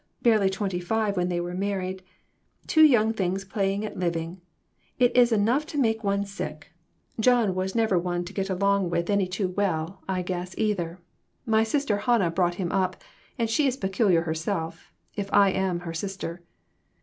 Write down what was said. Barely twenty five when they were married. Two young things playing at living. It is enough to make one sick ! John never was one to get along with 146 MORAL EVOLUTION. any too well, I guess, either. My sister Hannah brought him up, and she is peculiar herself, if I am her sister.